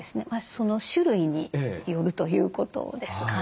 その種類によるということです。